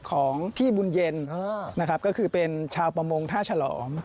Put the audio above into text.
ของพี่บุญเย็นนะครับก็คือเป็นชาวประมงท่าฉลอม